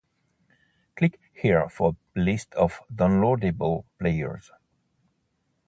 Click here for a list of downloadable players.